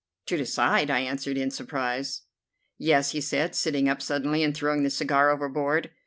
"To decide!" I answered in surprise. "Yes," he said, sitting up suddenly and throwing the cigar overboard.